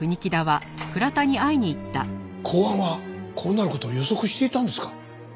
公安はこうなる事を予測していたんですか？